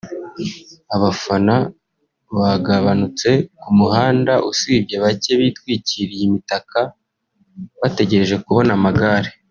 abafana bagabanutse ku muhanda usibye bake bitwikiriye imitaka bategereje kubona amagare